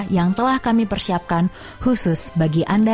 yang telah kami persiapkan khusus bagi anda